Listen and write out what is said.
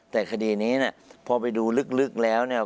แต่คดีนี้เนี่ยพอไปดูลึกแล้วเนี่ย